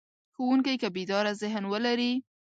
ښوونکی که بیداره ذهن ولري.